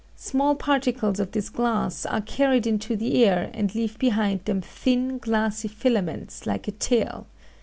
Small particles of this glass are carried into the air and leave behind them thin, glassy filaments like a tail.